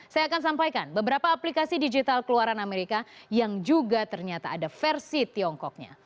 saya akan sampaikan beberapa aplikasi digital keluaran amerika yang juga ternyata ada versi tiongkoknya